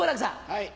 はい。